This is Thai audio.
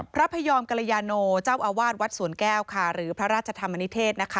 พระพยอมกัรญโนเจ้าอาวาสวรแก้วหรือพระราชฌรภัณฑ์บันเทศ